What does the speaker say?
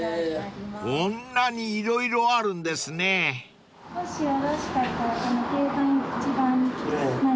［こんなに色々あるんですね］もしよろしかったら。